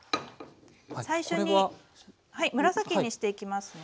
最初に紫にしていきますね。